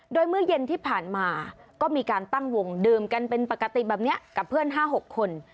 โดยเมื่อเย็นที่ผ่านมาก็มีการตั้งวงดื่มกันเป็นปกติแบบนี้กับเพื่อน๕๖คน